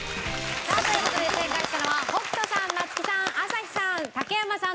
さあという事で正解したのは北斗さん松木さん朝日さん竹山さん